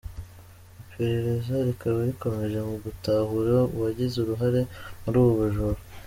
Iperereza rikaba rikomeje mu gutahura uwagize uruhare muri ubu bujura.